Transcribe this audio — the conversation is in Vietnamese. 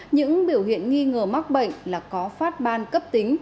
những biểu hiện nghi ngờ mắc bệnh là có phát ban cấp tính